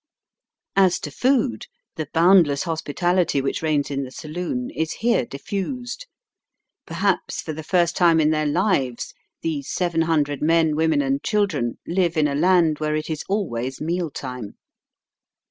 As to food, the boundless hospitality which reigns in the saloon is here diffused. Perhaps Digitized by VjOOQIC "off sandy hook.'' 19 for the first time in their lives these seven hundred men, women, and children live in a land where it is always meal time.